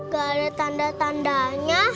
gak ada tanda tandanya